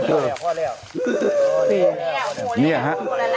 โหโหละละ